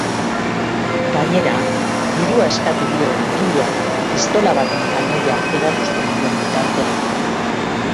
Gainera, dirua eskatu dio langileari pistola baten kanoia erakusten dion bitartean.